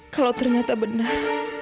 kalau ternyata benar